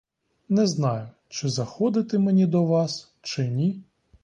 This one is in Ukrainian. Не знаю, чи заходити мені до вас, чи ні.